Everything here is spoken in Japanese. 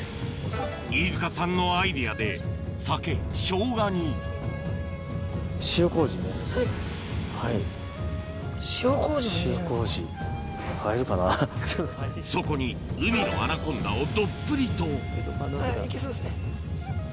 飯塚さんのアイデアでそこに海のアナコンダをどっぷりといけそうですね。